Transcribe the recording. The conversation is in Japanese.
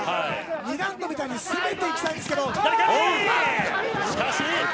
２ラウンドみたいに詰めていきたいですけど。